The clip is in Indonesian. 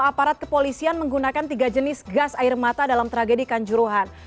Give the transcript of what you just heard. aparat kepolisian menggunakan tiga jenis gas air mata dalam tragedi kanjuruhan